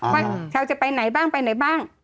ว่าชาวจะไปไหนบ้างไปไหนบ้าง